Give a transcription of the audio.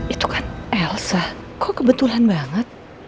itu kan elsa kok kebetulan banget